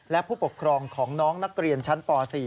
และผู้ปกครองของน้องนักเรียนชั้นป๔